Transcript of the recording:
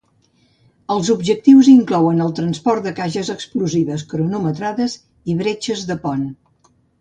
Els objectius inclouen el transport de caixes explosives cronometrades i bretxes de pont.